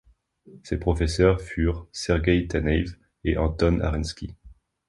Ses professeurs furent Sergueï Taneïev et Anton Arenski.